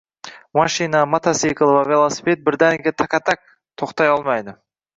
Mashina, mototsikl va velosiped birdaniga taqa-taq to‘xtay olmaydi.